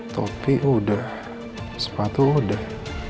topi udah sepatu udah